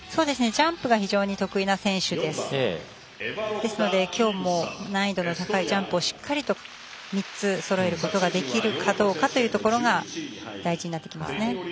ジャンプが非常に得意な選手ですので今日も難易度の高いジャンプをしっかりと３つそろえることができるかどうかというところが大事になってきますね。